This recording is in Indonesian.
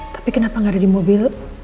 tapi kenapa nggak ada di mobil